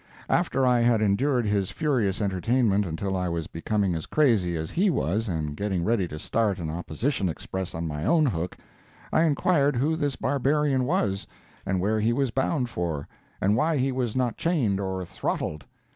After I had endured his furious entertainment until I was becoming as crazy as he was and getting ready to start an opposition express on my own hook, I inquired who this barbarian was, and where he was bound for, and why he was not chained or throttled?